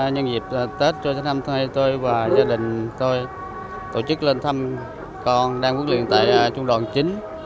nhân dịp tết cho tháng năm tháng hai tôi và gia đình tôi tổ chức lên thăm con đang quốc luyện tại trung đoàn chính